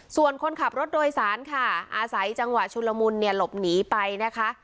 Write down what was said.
ส่วนคนขับรถโดยสารค่ะอาศัยจังหวะชุลมุนเนี่ยหลบหนีไปนะคะ